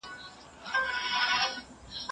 خپل حق په مينه او دليل وغواړئ.